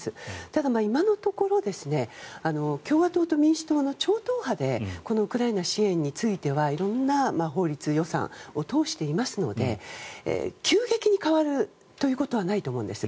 ただ、今のところ共和党と民主党の超党派でこのウクライナ支援については色んな法律、予算を通してますので急激に変わるということはないと思うんです。